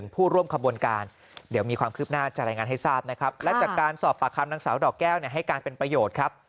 ผู้ร่วมขบวนการเดี๋ยวมีความคืบหน้าจะรายงานให้ทราบนะครับและจากการสอบปากคำนางสาวดอกแก้วให้การเป็นประโยชน์ครับ